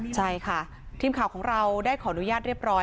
ใช่ค่ะทีมข่าวของเราได้ขออนุญาตเรียบร้อย